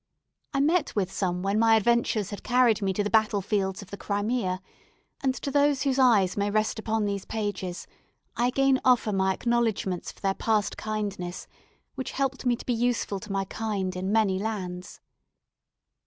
I met with some when my adventures had carried me to the battle fields of the Crimea; and to those whose eyes may rest upon these pages I again offer my acknowledgments for their past kindness, which helped me to be useful to my kind in many lands.